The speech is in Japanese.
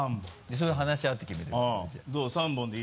それ話し合って決めてください。